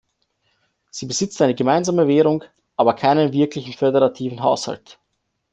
Sie besitzt eine gemeinsame Währung, aber keinen wirklichen föderativen Haushalt.